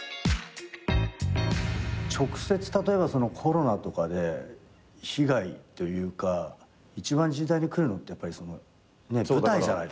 直接例えばコロナとかで被害というか一番甚大にくるのってやっぱり舞台じゃないですか。